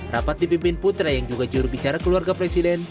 rapat di pimpin putra yang juga juru bicara keluarga presiden